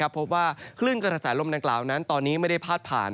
พบว่าคลื่นก็รทสายลมนั้นเลยตอนนี้ไม่ได้พลาดผ่าน